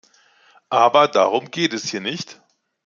Aber darum geht es hier nicht.